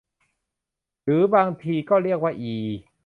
หรือบางทีก็เรียกว่าอี